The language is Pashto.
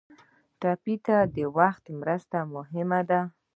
ټپي ته وختي مرسته ډېره مهمه ده.